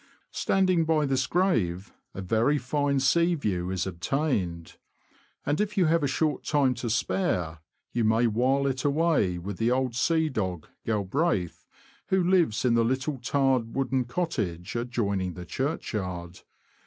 Standing by this grave, a very fine sea view is obtained ; and if you have a short time to spare, you may while it away with the old sea dog, Galbraith, who lives in the little tarred, wooden cottage, adjoining the churchyard.